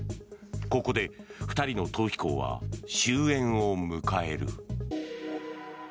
ここで２人の逃避行は終えんを迎える。